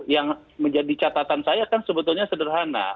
yang menjadi catatan saya kan sebetulnya sederhana